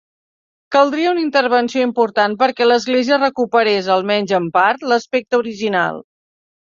Caldria una intervenció important perquè l'església recuperés, almenys en part, l'aspecte original.